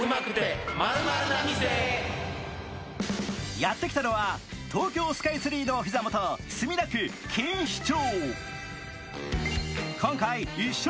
やって来たのは東京スカイツリーのお膝元、墨田区錦糸町。